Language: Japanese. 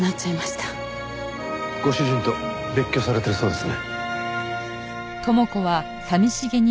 ご主人と別居されてるそうですね。